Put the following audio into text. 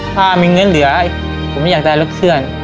ถ้ามีเงินเหลือผมอยากได้รถเครื่อง